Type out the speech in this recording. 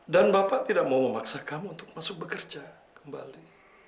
dan bapak tidak mau memaksa kamu untuk masuk bekerja kembali